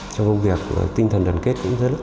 trong công việc tinh thần đoàn kết cũng rất là tốt